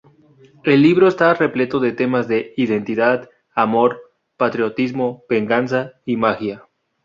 El libro está repleto de temas de identidad, amor, patriotismo, venganza y magia.